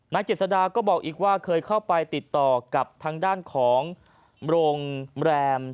เจษฎาก็บอกอีกว่าเคยเข้าไปติดต่อกับทางด้านของโรงแรม